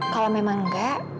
kalau memang enggak